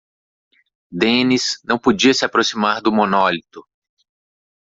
Dennis não podia se aproximar do monólito.